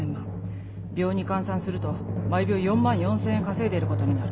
秒に換算すると毎秒４万４０００円稼いでることになる。